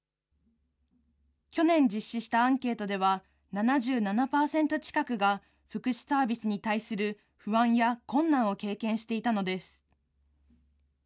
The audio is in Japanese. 去年実施したアンケートでは、７７％近くが、福祉サービスに対する不安や困難を経験していたのです。